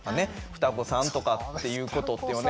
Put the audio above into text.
双子さんとかっていうことってね